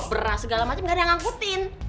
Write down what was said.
beras segala macam gak ada yang ngangkutin